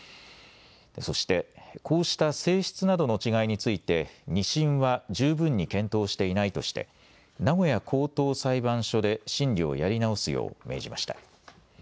そして、こうした性質などの違いについて２審は十分に検討していないとして名古屋高等裁判所で審理をやり直すよう命じました。